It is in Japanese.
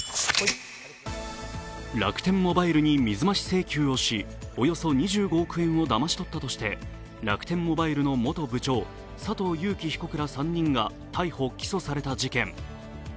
楽天モバイルに水増し請求をしおよそ２５億円をだまし取ったとして楽天モバイルの元部長・佐藤友紀被告ら３人が逮捕・起訴された事件。